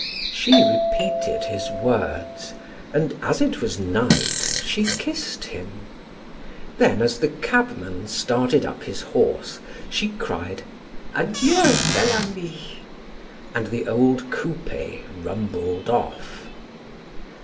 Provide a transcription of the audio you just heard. She repeated his words, and as it was night, she kissed him. Then as the cabman started up his horse, she cried: "Adieu, Bel Ami!" and the old coupe rumbled off.